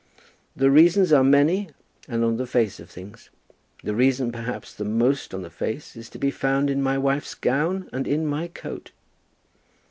"The reasons are many, and on the face of things. The reason, perhaps, the most on the face is to be found in my wife's gown, and in my coat."